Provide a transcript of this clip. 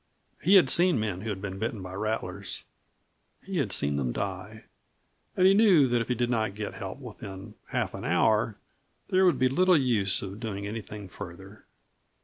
He had seen men who had been bitten by rattlers had seen them die. And he knew that if he did not get help within half an hour there would be little use of doing anything further.